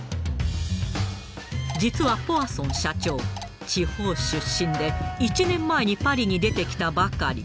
実はポワソン社長地方出身で１年前にパリに出てきたばかり。